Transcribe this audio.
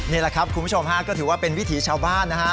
นี่แหละครับคุณผู้ชมฮะก็ถือว่าเป็นวิถีชาวบ้านนะฮะ